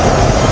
itu udah gila